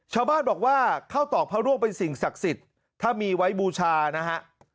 ชาวบ้านบอกว่าข้าวตอกพระร่วงเป็นสิ่งศักดิ์สิทธิ์ถ้ามีไว้บูชานะฮะ